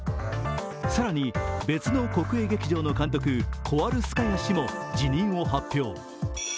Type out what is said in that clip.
更に別の国営劇場の監督コワルスカヤ氏も辞任を発表。